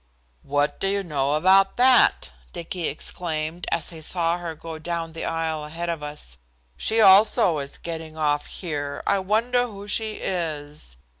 "What do you know about that?" Dicky exclaimed, as he saw her go down the aisle ahead of us. "She also is getting off here. I wonder who she is?"